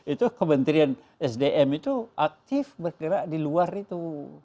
itu kementerian sdm itu aktif bergerak di luar itu